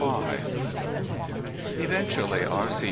IV Eventually R.C.